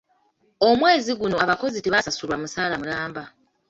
Omwezi guno abakozi tebasasulwa musaala mulamba.